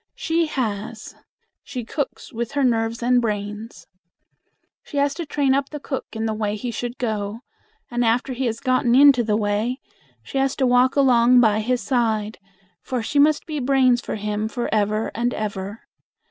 She has. She cooks with her nerves and brains. She has to train up the cook in the way he should go, and after he has gotten into the way, she has to walk along by his side, for she must be brains for him for ever and ever.